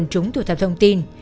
súng thủ thập thông tin